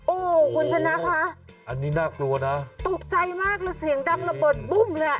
โอ้คุณฉันนะคะตกใจมากอันนี้น่ากลัวนะแล้วเสียงดังระบดบุ้มแล้ว